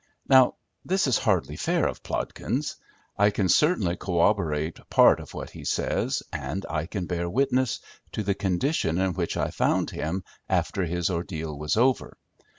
Now this is hardly fair of Plodkins. I can certainly corroborate part of what he says, and I can bear witness to the condition in which I found him after his ordeal was over.